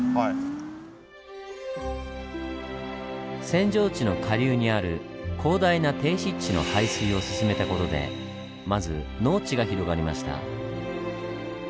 扇状地の下流にある広大な低湿地の排水を進めた事でまず農地が広がりました。